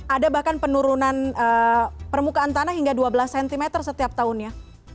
ada bahkan penurunan permukaan tanah hingga dua belas cm setiap tahunnya